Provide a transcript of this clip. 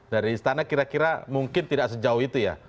dari istana kira kira mungkin tidak sejauh itu ya